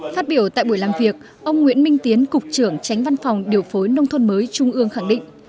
phát biểu tại buổi làm việc ông nguyễn minh tiến cục trưởng tránh văn phòng điều phối nông thôn mới trung ương khẳng định